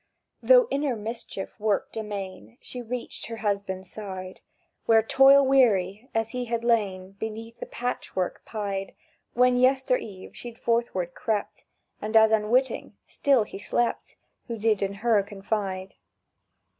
Though inner mischief worked amain, She reached her husband's side; Where, toil weary, as he had lain Beneath the patchwork pied When yestereve she'd forthward crept, And as unwitting, still he slept Who did in her confide.